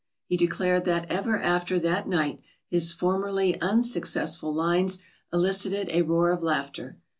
He declared that ever after that night his formerly unsuccessful "lines" elicited a roar of laughter.